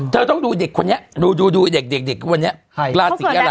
เธอต้องดูเด็กวันนี้ราศีอะไร